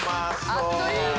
あっという間。